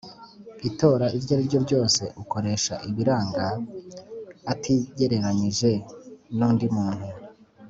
Itora iryo ari ryo ryose ukoresha ibiranga atigereranyije n undi muntu